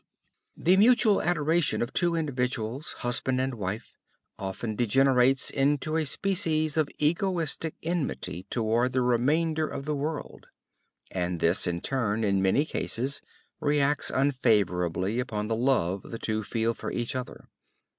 The mutual adoration of two individuals, husband and wife, often degenerates into a species of egoistic enmity toward the remainder of the world. And this, in turn, in many cases reacts unfavorably upon the love the two feel for each other.